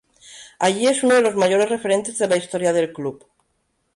Allí es uno de los mayores referentes de la historia del club.